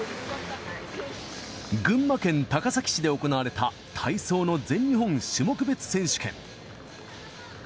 群馬県高崎市で行われた体操の全日本種目別選手権。